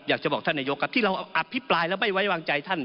อยากจะบอกท่านนายกครับที่เราอภิปรายแล้วไม่ไว้วางใจท่าน